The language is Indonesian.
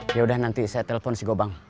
yaudah nanti saya telpon si gobang